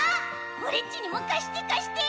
オレっちにもかしてかして。